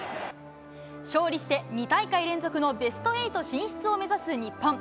勝利して、２大会連続のベストエイト進出を目指す日本。